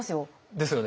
ですよね